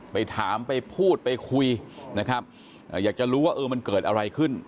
ไปถามไปพูดไปคุยนะครับอยากจะรู้ว่าเออมันเกิดอะไรขึ้น